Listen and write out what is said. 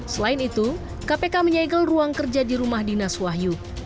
selain itu kpk menyegel ruang kerja di rumah dinas wahyu